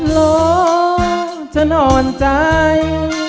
หลอกฉันอ่อนใจ